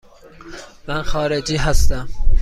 من خارجی هستم.